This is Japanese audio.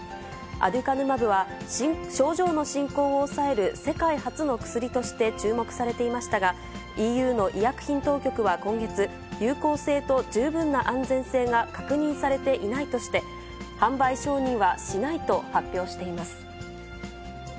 アデュカヌマブは、症状の進行を抑える、世界初の薬として注目されていましたが、ＥＵの医薬品当局は今月、有効性と十分な安全性が確認されていないとして、販売承認はしないと発表しています。